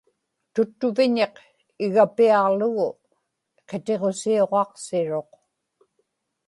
tuttuviñiq igapiaġlugu qitiġusiuġaqsiruq